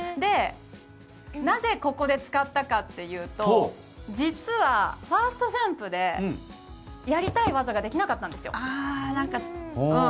なぜここで使ったかというと実はファーストジャンプでやりたい技ができなかったんですよ。